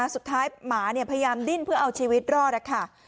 สุดท้ายหมาเนี่ยพยายามดิ้นเพื่อเอาชีวิตรอดอ่ะค่ะ